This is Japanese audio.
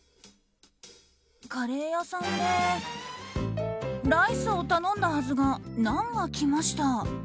カレー屋さんでライスを頼んだはずがナンが来ました。